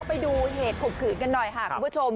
ไปดูเหตุข่มขืนกันหน่อยค่ะคุณผู้ชม